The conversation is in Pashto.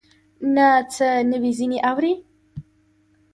نه څه نوي ځینې اورې